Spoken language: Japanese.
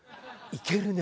行けるね。